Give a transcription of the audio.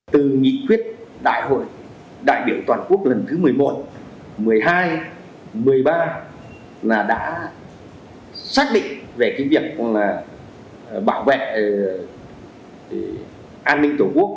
từ nghị quyết đại hội đại biểu toàn quốc lần thứ một mươi một một mươi hai một mươi ba là đã xác định về cái việc là bảo vệ an ninh tổ quốc